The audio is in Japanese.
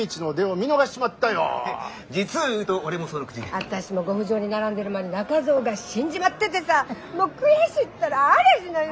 あたしもご不浄に並んでる間に中蔵が死んじまっててさもう悔しいったらありゃしない。